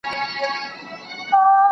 ¬ لوړ ځاى نه و، کښته زه نه کښېنستم.